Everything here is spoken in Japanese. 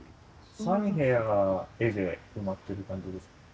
３部屋が絵で埋まってる感じですか？